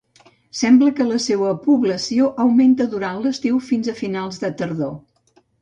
Sembla que la seua població augmenta durant l'estiu fins a finals de tardor.